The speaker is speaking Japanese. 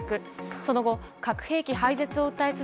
その後、核兵器廃絶を訴え